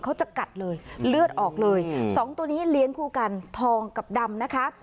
เขาจะกัดเลยเลือดออกเลยสองตัวนี้เลี้ยงคู่กันทองกับดำนะคะ